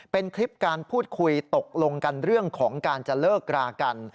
เป็นคลิปการพูดคุยตกลงกันเรื่องของการจะเลิกรากัน